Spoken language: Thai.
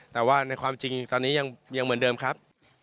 แต่ว่าในความจริงตอนนี้ยังเหมือนเดิมครับ